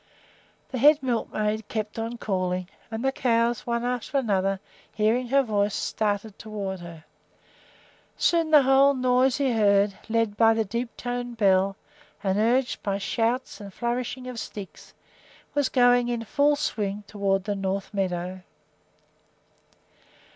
The head milkmaid kept on calling, and the cows, one after another, hearing her voice, started toward her. Soon the whole noisy herd, led by the deep toned bell and urged by shouts and flourishing of sticks, was going in full swing toward the north meadow.